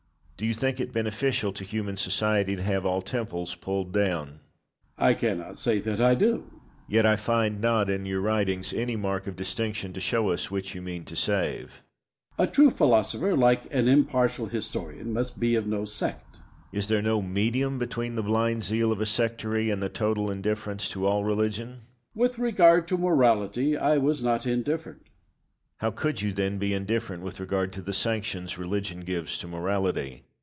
Locke. Do you think it beneficial to human society to have all temples pulled down? Bayle. I cannot say that I do. Locke. Yet I find not in your writings any mark of distinction to show us which you mean to save. Bayle. A true philosopher, like an impartial historian, must be of no sect. Locke. Is there no medium between the blind zeal of a sectary and a total indifference to all religion? Bayle. With regard to morality I was not indifferent. Locke. How could you, then, be indifferent with regard to the sanctions religion gives to morality?